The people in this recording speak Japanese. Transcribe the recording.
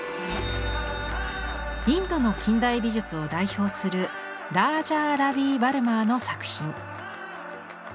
インドの近代美術を代表するラージャー・ラヴィ・ヴァルマーの作品。